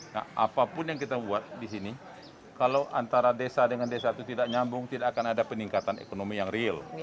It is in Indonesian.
nah apapun yang kita buat di sini kalau antara desa dengan desa itu tidak nyambung tidak akan ada peningkatan ekonomi yang real